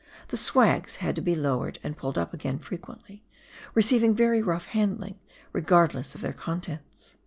The " swags " had to be lowered and pulled up again frequently, receiving very rough handling, regardless of their contents.